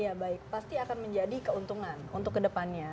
ya baik pasti akan menjadi keuntungan untuk ke depannya